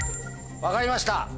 分かりました。